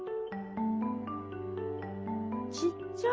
ちっちゃい。